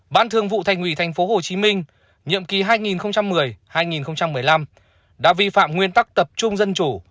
ban thường vụ thành ủy tp hcm nhiệm kỳ hai nghìn một mươi hai nghìn một mươi năm đã vi phạm nguyên tắc tập trung dân chủ